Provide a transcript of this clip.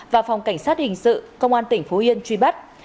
và phòng cảnh sát hình sự công an tỉnh phú yên truy bắt